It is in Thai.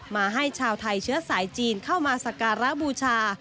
คนก็เข้ามาซื้อไม่ซื้อเข้ามาดูก่อน